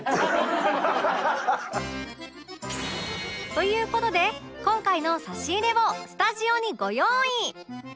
という事で今回の差し入れをスタジオにご用意